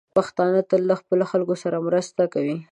پښتانه تل له خپلو خلکو سره مرسته کوي.